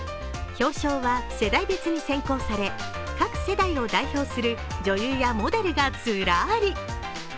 表彰は世代別に選考され各世代を代表する女優やモデルがずらり。